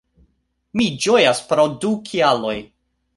Mi ĝojas pro du kialoj